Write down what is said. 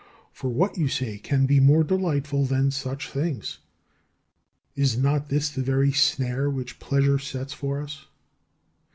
"For what," you say, "can be more delightful than such things?" Is not this the very snare which Pleasure sets for us?